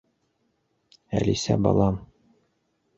—Әлисә балам!